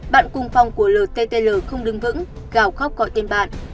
bạn cùng phòng của l t t l không đứng vững gào khóc gọi tên bạn